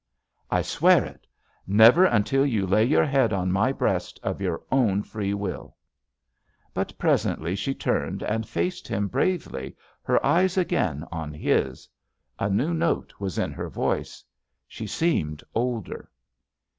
"I swear it I Never until you lay your head on my breast, of your own free willl" But presently she turned and faced him bravely, her eyes again on his. A new note was in her voice. She seemed older.